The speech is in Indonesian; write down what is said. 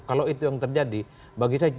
kalau itu yang terjadi bagi saya